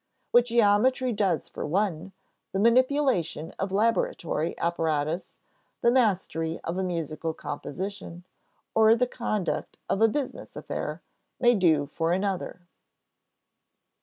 What geometry does for one, the manipulation of laboratory apparatus, the mastery of a musical composition, or the conduct of a business affair, may do for another.